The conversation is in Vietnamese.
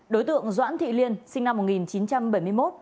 đối tượng doãn thị liên sinh năm một nghìn chín trăm bảy mươi một